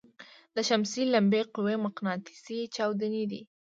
د شمسي لمبې قوي مقناطیسي چاودنې دي.